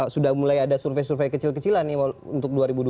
sudah mulai ada survei survei kecil kecilan nih untuk dua ribu dua puluh